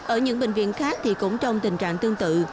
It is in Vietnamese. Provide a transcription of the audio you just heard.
ở những bệnh viện khác thì cũng trong tình trạng tương tự